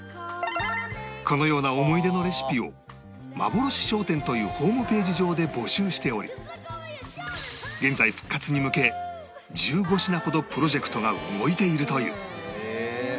このような思い出のレシピを「まぼろし商店」というホームページ上で募集しており現在復活に向け１５品ほどプロジェクトが動いているという